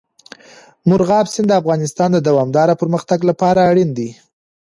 مورغاب سیند د افغانستان د دوامداره پرمختګ لپاره اړین دي.